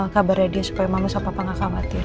kabarnya dia supaya mama sama papa gak khawatir